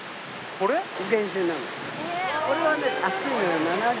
これはね。